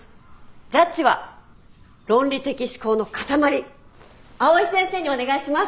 ジャッジは論理的思考の塊藍井先生にお願いします。